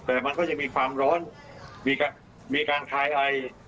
แต่มันก็จะมีความร้อนมีการคลายไอ